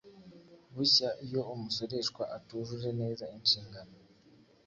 bushya iyo umusoreshwa atujuje neza inshingano